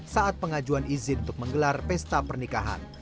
saat pengajuan izin untuk menggelar pesta pernikahan